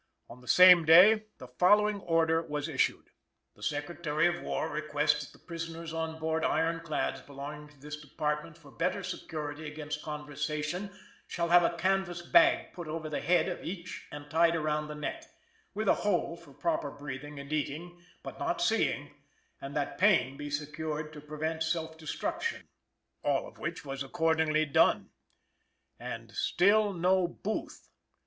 On the same day the following order was issued: "The Secretary of War requests that the prisoners on board iron clads belonging to this department for better security against conversation shall have a canvass bag put over the head of each and tied around the neck, with a hole for proper breathing and eating, but not seeing, and that Payne be secured to prevent self destruction." All of which was accordingly done. And still no Booth!